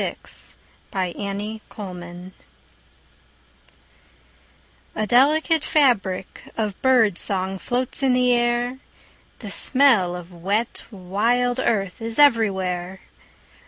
VI The Dark Cup May Day A delicate fabric of bird song Floats in the air, The smell of wet wild earth Is everywhere.